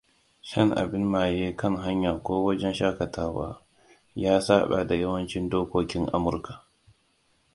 Shan abin maye kan hanya ko wajen shakatawa ya saɓa da yawancin dokokin Amurka.